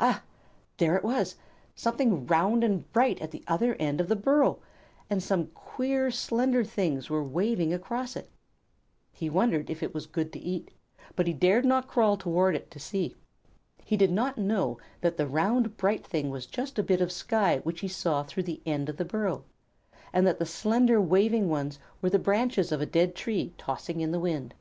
Ah! There it was; something round and bright at the other end of the burrow, and some queer, slender things were waving across it. He wondered if it were good to eat, but he dared not crawl toward it to see. He did not know that the round, bright thing was just a bit of sky which he saw through the end of the burrow, and that the slender, waving ones were the branches of a dead tree tossing in the wind.